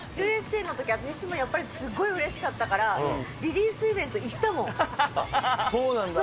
Ｕ．Ｓ．Ａ．のときは、私もやっぱりすごいうれしかったから、リリースイベント行ったもそうなんだ。